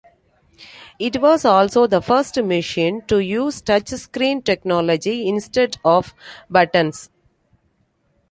It was also the first machine to use touch screen technology instead of buttons.